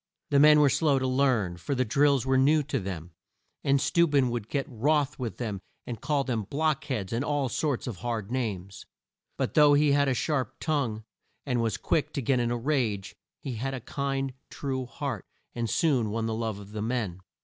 The men were slow to learn, for the drills were new to them, and Steu ben would get wroth with them and call them "block heads," and all sorts of hard names. But though he had a sharp tongue, and was quick to get in a rage, he had a kind, true heart, and soon won the love of the men.